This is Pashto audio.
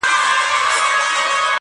پر هر ګام باندي لحد او کفن زما دی،